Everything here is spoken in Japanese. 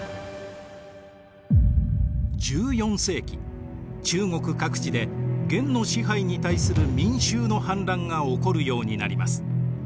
１４世紀中国各地で元の支配に対する民衆の反乱が起こるようになります。